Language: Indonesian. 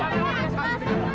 ada duduk berdiri darichez leacker